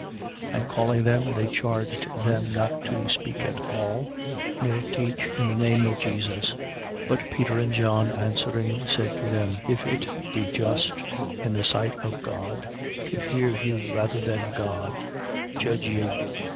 4:18. And calling them, they charged them not to speak at all, nor teach in the name of Jesus. 4:19. But Peter and John answering, said to them: If it be just, in the sight of God, to hear you rather than God, judge ye.